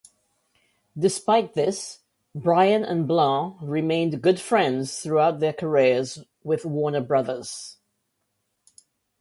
Despite this, Bryan and Blanc remained good friends throughout their careers with Warner Brothers.